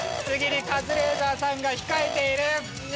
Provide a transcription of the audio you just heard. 次にカズレーザーさんが控えている。